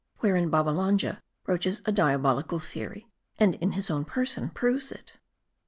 WHEREIN BABBALANJA BROACHES A DIABOLICAL THEORY, AND, IN HIS OWN PERSON, PROVES IT.